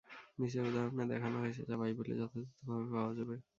নিচের উদাহরণে, দেখানো হয়েছে যা বাইবেলে যথাযথভাবে পাওয়া যাবে।